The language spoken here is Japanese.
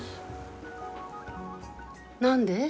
何で？